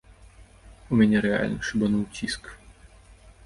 У мяне рэальна шыбануў ціск.